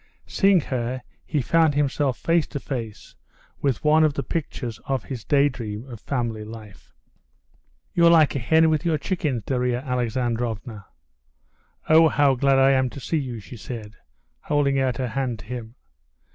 Seeing her, he found himself face to face with one of the pictures of his daydream of family life. "You're like a hen with your chickens, Darya Alexandrovna." "Ah, how glad I am to see you!" she said, holding out her hand to him.